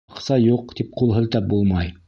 Аҡса юҡ, тип ҡул һелтәп булмай.